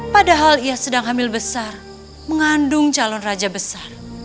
padahal ia sedang hamil besar mengandung calon raja besar